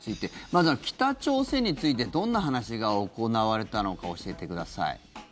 まず北朝鮮についてどんな話が行われたのか教えてください。